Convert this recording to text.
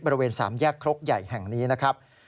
บริเวณ๓แยกครกใหญ่แห่งนี้นะครับ